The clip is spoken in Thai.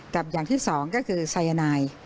กับอย่างที่สองก็คือไซยานาย